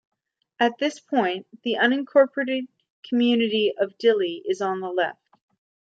At this point, the unincorporated community of Dilley is on the left.